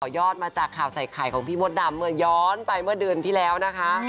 ยอดมาจากข่าวใส่ไข่ของพี่มดดำเมื่อย้อนไปเมื่อเดือนที่แล้วนะคะ